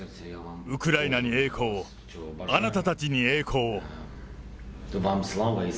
ウクライナに栄光を、あなたたちに栄光を。